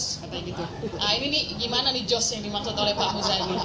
nah ini nih gimana nih jos yang dimaksud oleh pak muzani